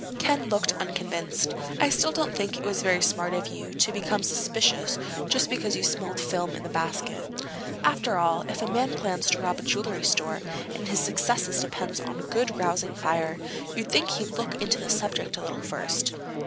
Ken looked unconvinced. "I still don't think it was very smart of you to become suspicious just because you smelled film in that basket. After all, if a man plans to rob a jewelry store, and his success depends on a good rousing fire, you'd think he'd look into the subject a little first.